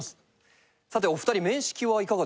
さてお二人面識はいかがですか？